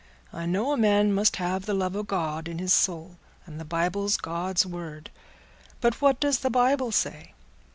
I know a man must have the love o' God in his soul, and the Bible's God's word. But what does the Bible say?